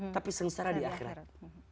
tapi sengsara di akhirat